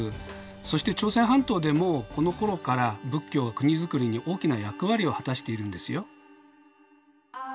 そして朝鮮半島でもこのころから仏教が国づくりに大きな役割を果たしているんですよ。